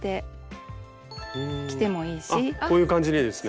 あっこういう感じにですね。